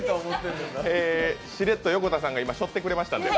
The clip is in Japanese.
しれっと横田さんが今、背負ってくれましたので。